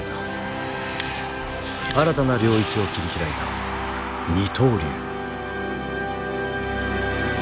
新たな領域を切り開いた二刀流。